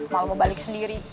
malah mau balik sendiri